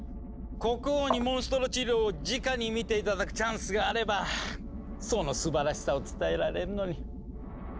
国王にモンストロ治療をじかに見て頂くチャンスがあればそのすばらしさを伝えられるのに。